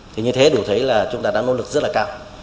thì như thế đủ thấy là chúng ta đã nỗ lực rất là cao